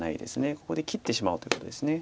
ここで切ってしまおうということです。